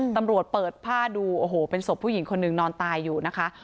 ตำรวจเปิดผ้าดูโอ้โหเป็นศพผู้หญิงคนหนึ่งนอนตายอยู่นะคะ